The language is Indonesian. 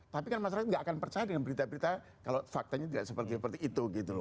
tapi kan masyarakat nggak akan percaya dengan berita berita kalau faktanya tidak seperti itu